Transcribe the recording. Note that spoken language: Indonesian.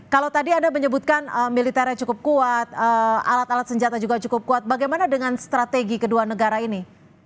kalau tadi anda menyebutkan militernya cukup kuat alat alat senjata juga cukup kuat bagaimana dengan strategi kedua negara ini